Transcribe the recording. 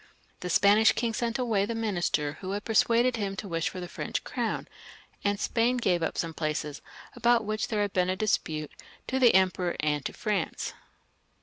The Spanish king sent away the minister who had persuaded him to wish for the French crown, and Spain gave up some places about which there had been a disptttejxtq^ the Emperor and to France.